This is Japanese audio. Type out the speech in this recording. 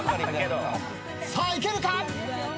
さあいけるか！？